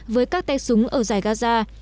với các tay súng ở giải gaza